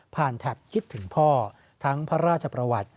แท็บคิดถึงพ่อทั้งพระราชประวัติ